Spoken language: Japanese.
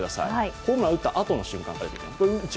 ホームランあとの瞬間からです。